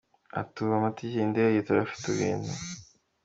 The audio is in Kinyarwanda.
Ati, Ubu amatike yindege turayafite, ibintu.